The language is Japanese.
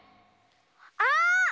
あっ！